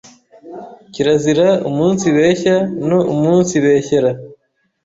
kirazira umunsibeshya no umunsibeshyera